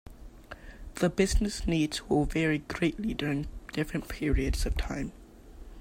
The business needs will vary greatly during different periods of time.